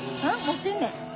持ってんねん。